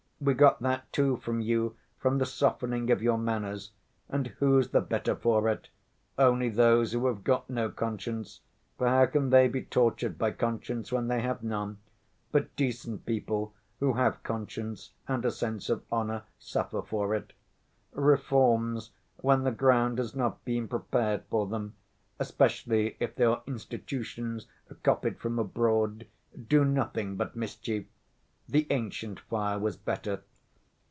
We got that, too, from you, from the softening of your manners. And who's the better for it? Only those who have got no conscience, for how can they be tortured by conscience when they have none? But decent people who have conscience and a sense of honor suffer for it. Reforms, when the ground has not been prepared for them, especially if they are institutions copied from abroad, do nothing but mischief! The ancient fire was better.